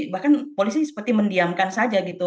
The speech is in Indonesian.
bahkan polisi seperti mendiamkan saja gitu